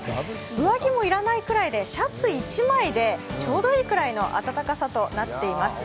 上着も要らないくらいで、シャツ１枚でちょうどいいくらいの暖かさとなっています。